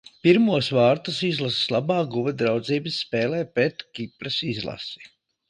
Pirmos vārtus izlases labā guva draudzības spēlē pret Kipras izlasi.